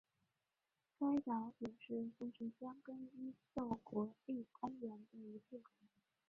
该岛也是富士箱根伊豆国立公园的一部分。